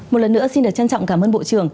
một lần nữa xin được trân trọng cảm ơn bộ trưởng